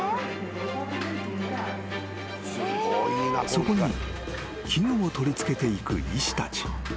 ［そこに器具を取り付けていく医師たち］